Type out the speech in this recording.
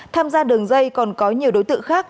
tham gia đường dây còn có nhiều đối tượng khác